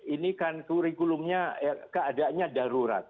ini kan kurikulumnya keadaannya darurat